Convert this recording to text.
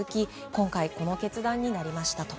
今回この決断になりました。